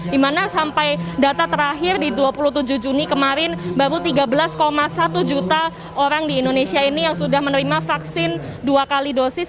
dimana sampai data terakhir di dua puluh tujuh juni kemarin baru tiga belas satu juta orang di indonesia ini yang sudah menerima vaksin dua kali dosis